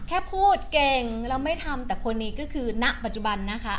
แค่พูดเก่งแล้วไม่ทำแต่คนนี้ก็คือณปัจจุบันนะคะ